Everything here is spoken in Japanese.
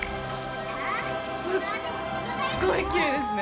すっっごいきれいですね。